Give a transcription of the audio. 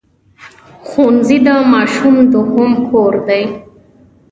ښوونځی د ماشوم دوهم کور دی